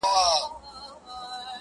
او پای پوښتنه پرېږدي,